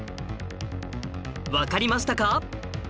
わかりましたか？